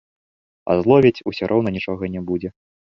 А зловяць, усё роўна нічога не будзе.